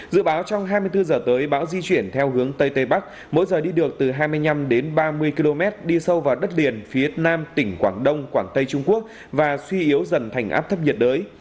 dự báo trong hai mươi bốn h tới bão di chuyển theo hướng tây tây bắc mỗi giờ đi được từ hai mươi năm đến ba mươi km đi sâu vào đất liền phía nam tỉnh quảng đông quảng tây trung quốc và suy yếu dần thành áp thấp nhiệt đới